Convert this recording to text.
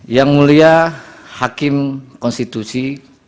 yang mulia hakim konstitusi